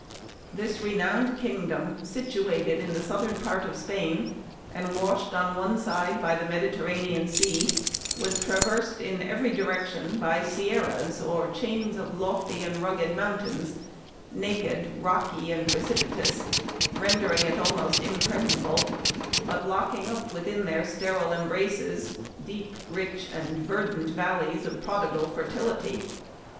" This renowned kingdom, situated in the southern part of Spain, and washed on one side by the Mediterranean Sea, was trav ersed in every direction by sierras or chains of lofty and rugged mountains, naked, rocky, and precipitous, rendering it almost impreg nable, but locking up within their sterile em braces deep, rich, and verdant valleys of prodi gal fertility.